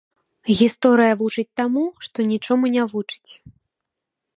Гісторыя вучыць таму, што нічому не вучыць.